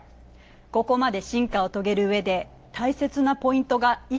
ここまで進化を遂げるうえで大切なポイントがいくつかあったの。